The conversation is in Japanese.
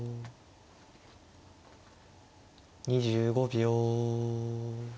２５秒。